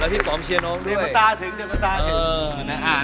แล้วพี่ป๋องเชียร์น้องด้วย